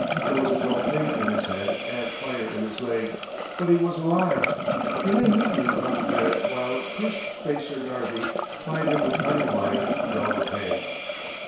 There was a dull pain in his head and fire in his leg, but he was alive. He lay limply upon the bed while Firstspacer Narvi plied him with honeywine to dull the pain.